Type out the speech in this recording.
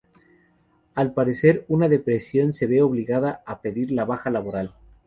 Al padecer una depresión se ve obligada a pedir la baja laboral.